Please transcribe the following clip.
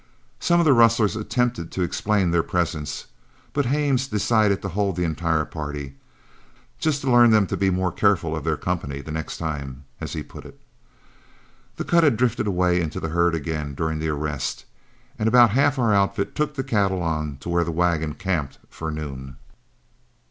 Some of the rustlers attempted to explain their presence, but Hames decided to hold the entire party, "just to learn them to be more careful of their company the next time," as he put it. The cut had drifted away into the herd again during the arrest, and about half our outfit took the cattle on to where the wagon camped for noon.